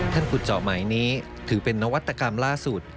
ขุดเจาะใหม่นี้ถือเป็นนวัตกรรมล่าสุด